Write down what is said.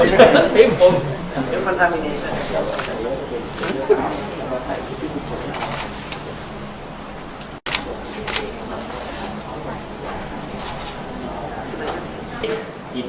สวัสดีครับ